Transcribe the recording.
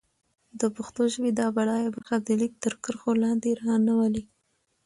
د پښتو ژبې دا بډايه برخه د ليک تر کرښو لاندې را نه ولي.